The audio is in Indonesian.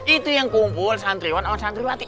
itu yang kumpul santriwan dan pesantren kunanta